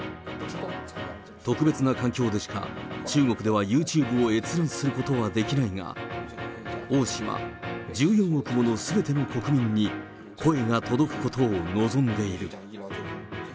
特別な環境でしか中国ではユーチューブを閲覧することはできないが、王氏は１４億ものすべての国民に声が届くことを望んでいる。